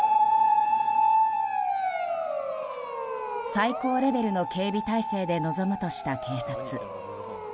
最高レベルの警備態勢で臨むとした警察。